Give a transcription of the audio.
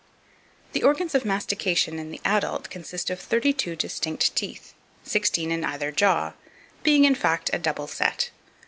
The organs of mastication in the adult consist of 32 distinct teeth, 16 in either jaw; being, in fact, a double set.